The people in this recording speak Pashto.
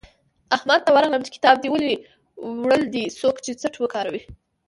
احمد ته ورغلم چې کتاب دې ولې وړل دی؛ سوکه یې څټ وګاراوو.